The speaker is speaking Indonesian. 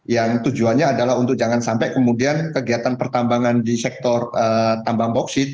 yang tujuannya adalah untuk jangan sampai kemudian kegiatan pertambangan di sektor tambang bauksit